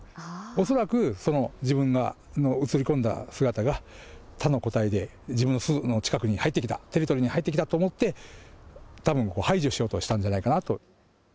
恐らくその自分の映り込んだ姿が他の個体で、自分の巣の近くに入ってきた、テリトリーに入ってきたと思って、たぶん排除しようとしたんじゃないかなと。